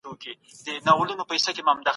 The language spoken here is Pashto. وزير وويل چي د لارو جوړول زمونږ لومړيتوب دی.